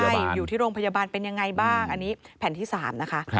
ใช่อยู่ที่โรงพยาบาลเป็นยังไงบ้างอันนี้แผ่นที่๓นะคะ